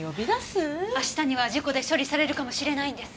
明日には事故で処理されるかもしれないんです。